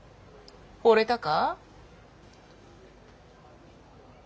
ほれたか？